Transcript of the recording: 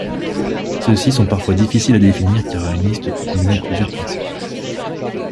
Ceux-ci sont parfois difficiles à définir car une liste peut combiner plusieurs principes.